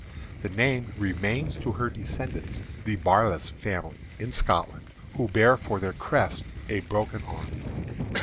The name remains to her descendants, the Barlas family, in Scotland, who bear for their crest a broken arm.